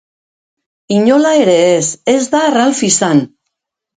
Inola ere ez, ez da Ralph izan...